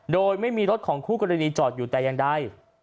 โดยไม่มีรถของคู่กรณีจอดอยู่แต่อย่างใด